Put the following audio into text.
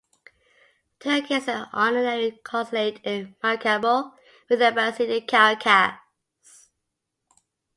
Turkey has an honorary consulate in Maracaibo with an embassy in Caracas.